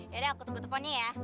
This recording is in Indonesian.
yaudah aku tunggu teleponnya ya